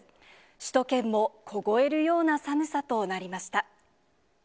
首都圏も凍えるような寒さとなりました。